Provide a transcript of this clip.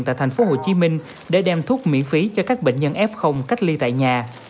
tại tp hcm để đem thuốc miễn phí cho các bệnh nhân f cách ly tại nhà